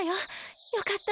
よかった。